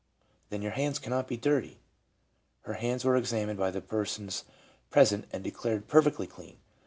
— Then your hands cannot be dirty! Her hands were examined by the persons present and de clared perfectly clean.